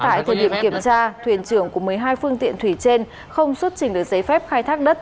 tại thời điểm kiểm tra thuyền trưởng của một mươi hai phương tiện thủy trên không xuất trình được giấy phép khai thác đất